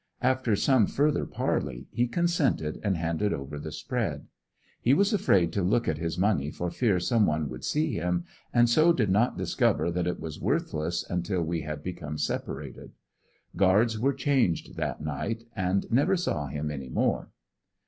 After some further parley, he consented and handed over the spread. He was afraid to look at his money for fear some one would see him, and so did net discover that it was worthless until we had become separated. Guards were changed that night and never saw him any more.